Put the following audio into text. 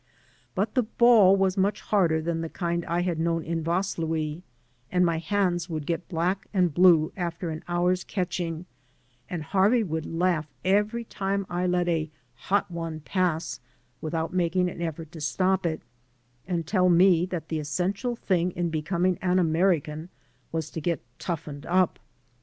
But the ball was much harder than the kind I had known in Vaslui, and my hands would get black and blue after an hour's catching, and Harvey would laugh every time I let a hot one" pass without making an effort to stop it, and tell^me that the essential thing in becoming an American was to get toughened up.